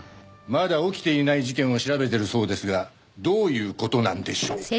まだ起きていない事件を調べてるそうですがどういう事なんでしょうか？